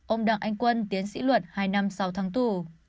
ông đặng anh quân tiến sĩ luật hai năm sáu tháng tù